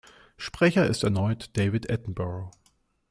Sprecher ist erneut David Attenborough.